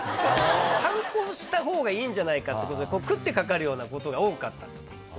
反抗したほうがいいんじゃないかってことで食って掛かるようなことが多かったんだと思うんですよね。